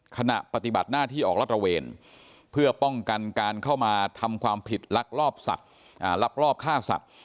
ขณะปฏิบัติหน้าที่ออกรัฐระเวนเพื่อป้องกันการเข้ามาทำความผิดลักลอบฆ่าสัตว์